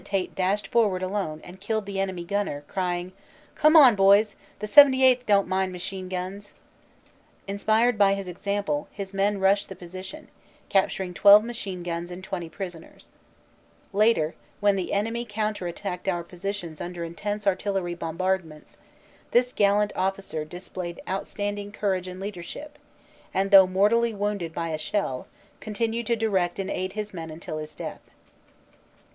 Tait dashed forward alone and killed the enemy gunner, crying, "Come on boys: the 78th. don t mind machine guns!" Inspired by his example his men rushed the 84 CANADA S HUNDRED DAYS position, capturing 12 machine guns and 20 prisoners. Later, when the enemy counter attacked our positions under intense artillery bombardments, this gallant officer displayed outstand ing courage and leadership, and, though mortally wounded by a shell, continued to direct and aid his men until his death.